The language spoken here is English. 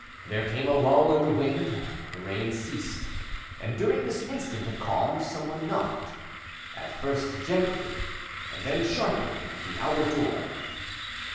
There came a lull in the wind, the rain ceased, and during this instant of calm someone knocked, at first gently, and then sharply, at the outer door.